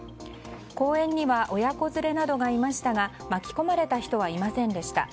公園には親子連れなどがいましたが巻き込まれた人はいませんでした。